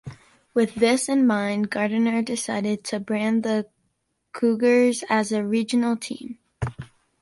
With this in mind, Gardner decided to brand the Cougars as a "regional" team.